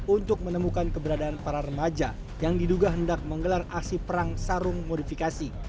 untuk menemukan keberadaan para remaja yang diduga hendak menggelar aksi perang sarung modifikasi